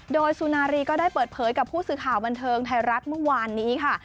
โดยสุนารีก็ได้เปิดเผยกับผู้สื่อข่าวบันเทิงไทยรัฐเมื่อวานนี้ค่ะ